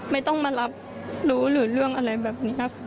ไม่ต้องมารับรู้หรือเรื่องอะไรแบบนี้ครับ